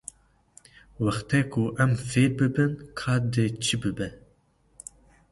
Wext e ku em fêr bibin ka dê çi bibe.